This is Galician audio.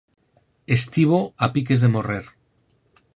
Estivo a piques de morrer